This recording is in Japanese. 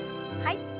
はい。